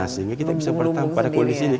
sehingga kita bisa bertahan pada kondisi ini